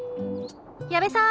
・矢部さん